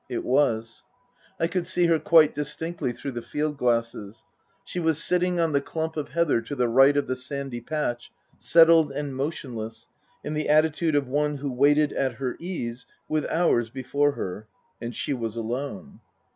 It was. I could see her quite distinctly through the field glasses. She was sitting on the clump of heather to the right of the sandy patch, settled and motionless, in the attitude of one who waited at her ease, with hours before her. And she was alone.